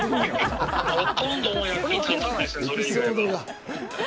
ほとんど役に立たないですね、それ以外は。